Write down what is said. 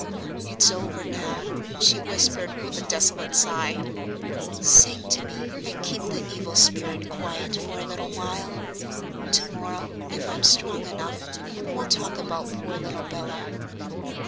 "It's over now," she whispered, with a desolate sigh. "Sing to me, and keep the evil spirit quiet for a little while. To morrow, if I'm strong enough, we'll talk about poor little Bella."